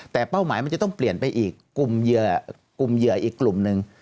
แต่เป้าหมายมันจะต้องเปลี่ยนไปอีกกลุ่มเหยื่ออีกกลุ่มหนึ่ง